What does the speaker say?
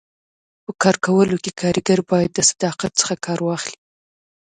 په کار کولو کي کاریګر باید د صداقت څخه کار واخلي.